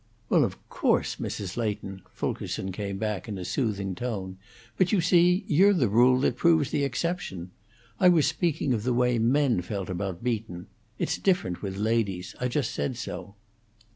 "Well, of course, Mrs. Leighton!" Fulkerson came back in a soothing tone. "But you see you're the rule that proves the exception. I was speaking of the way men felt about Beaton. It's different with ladies; I just said so."